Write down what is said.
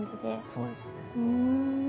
そうですね。